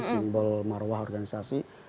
simbol maruah organisasi